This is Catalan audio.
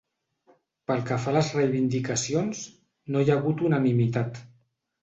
Pel que fa a les reivindicacions, no hi ha hagut unanimitat.